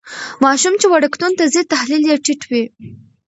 ماشوم چې وړکتون ته ځي تحلیل یې ټیټ وي.